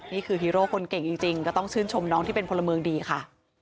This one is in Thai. ฮีโร่คนเก่งจริงก็ต้องชื่นชมน้องที่เป็นพลเมืองดีค่ะ